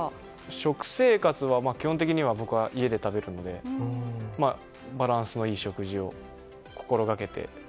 食生活は基本的には僕は家で食べるのでバランスのいい食事を心がけて。